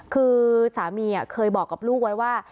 คือสามีเคยบอกกับลูกไว้ว่า